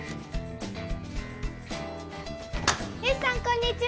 よしさんこんにちは。